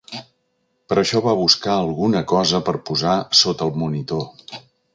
Per això va buscar alguna cosa per posar sota el monitor.